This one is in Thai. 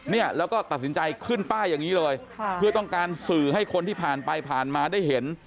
เนี่ยแล้วก็ตัดสินใจขึ้นป้ายอย่างนี้เลยค่ะเพื่อต้องการสื่อให้คนที่ผ่านไปผ่านมาได้เห็น